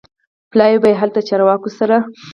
پلاوی به یې هلته چارواکو سره